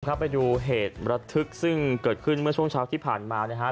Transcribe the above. ไปดูเหตุระทึกซึ่งเกิดขึ้นเมื่อช่วงเช้าที่ผ่านมานะฮะ